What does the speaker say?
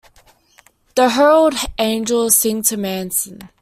The Herald Angels Sing to Manson.